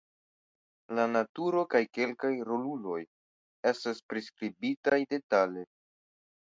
La naturo kaj kelkaj roluloj estas priskribitaj detale.